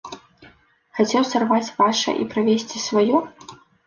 Хацеў сарваць ваша і правесці сваё?